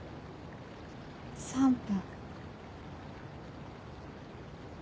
３分。